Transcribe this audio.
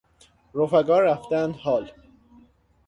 رفقا رفته اند حال